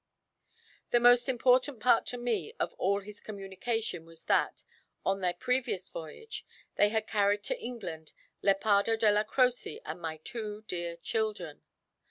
The most important part to me of all his communication was that, on their previous voyage, they had carried to England Lepardo Della Croce and my two dear children.